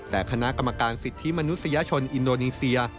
แต่คณะกรรมการสิทธิมนุษยชนอินโดนีเซีย